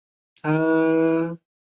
马东河畔班维勒人口变化图示